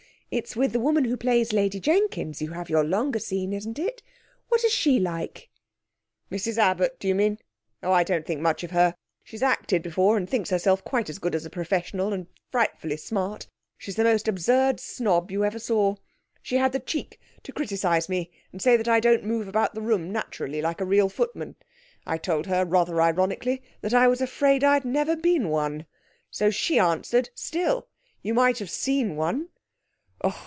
It's with the woman who plays Lady Jenkins you have your longer scene, isn't it? What is she like?' 'Mrs Abbot, do you mean? Oh, I don't think much of her. She's acted before and thinks herself quite as good as a professional, and frightfully smart. She's the most absurd snob you ever saw. She had the cheek to criticise me and say that I don't move about the room naturally, like a real footman. I told her, rather ironically, that I was afraid I'd never been one. So she answered, "Still, you might have seen one."